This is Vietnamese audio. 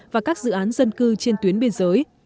và các dự án dân cư trên tuyến biên giới